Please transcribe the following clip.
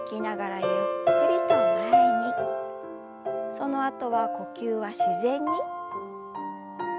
そのあとは呼吸は自然に。